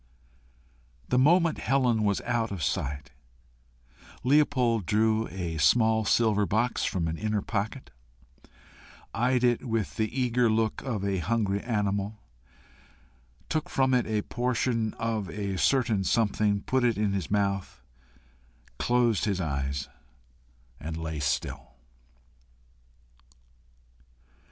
The moment Helen was out of sight, Leopold drew a small silver box from an inner pocket, eyed it with the eager look of a hungry animal, took from it a portion of a certain something, put it in his mouth, closed his eyes, and lay still.